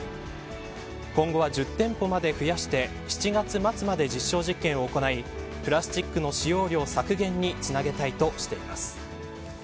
今後は１０店舗まで増やして７月末まで実証実験を行いプラスチックの使用量削減につなげたいとしています。